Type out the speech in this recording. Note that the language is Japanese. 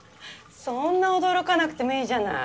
そんな驚かなくてもいいじゃない。